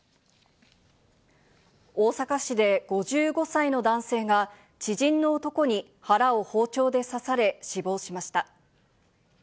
大阪市で５５歳の男性が、知人の男に腹を包丁で刺され、死亡しました。